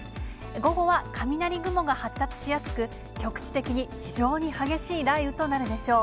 午後は雷雲が発達しやすく、局地的に非常に激しい雷雨となるでしょう。